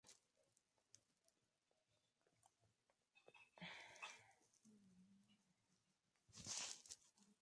La logística es fundamental para el comercio.